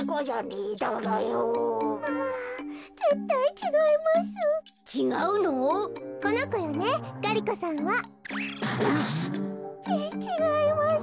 ちちがいます。